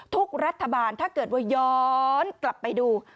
ทุกรัฐบาลถ้าเกิดว่าย้อนกลับไปดู